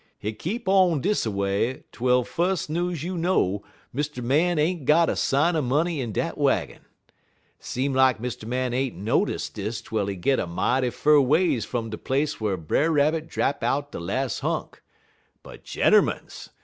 "Hit keep on dis a way twel fus' news you know Mr. Man ain't got a sign er money in dat waggin. Seem lak Mr. Man ain't notice dis twel he git a mighty fur ways fum de place whar Brer Rabbit drap out de las' hunk; but, gentermens!